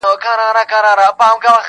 کنعان خوږ دی قاسم یاره د یوسف له شرافته,